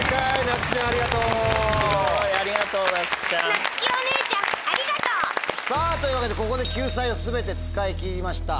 なつきちゃん！というわけでここで救済を全て使い切りました。